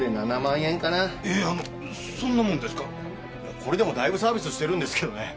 これでもだいぶサービスしてるんですけどね。